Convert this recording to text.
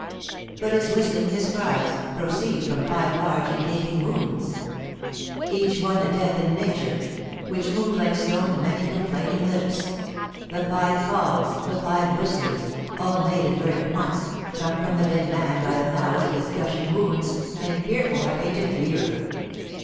But his whistling, his cries, proceed from five large and gaping wounds, "Each one a death in nature," which move like so many complaining lips. The five calls, the five whistlings, all made and heard at once, come from the dead man by the mouths of his gushing wounds; and fearful are they to hear!